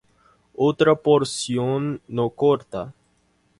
Otra porción no corta